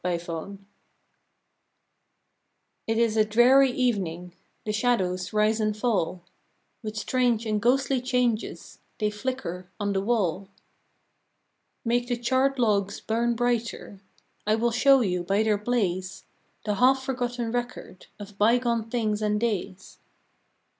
MY JOURNAL. JT is a dreary evening; The shadows rise and fall: With strange and ghostly changes, They flicker on the wall. MY JOURNAL. 109 Make the charred logs burn brighter; I will show you, by their blaze, The half forgotten record Of bygone things and days.